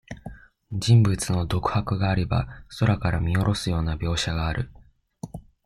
人物の独白があれば、空から見おろすような描写がある。